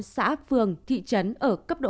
hai trăm bảy mươi tám xã phường thị trấn ở cấp độ ba